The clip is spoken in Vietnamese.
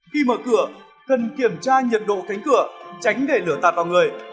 khi mở cửa cần kiểm tra nhiệt độ cánh cửa tránh để lửa tạt vào người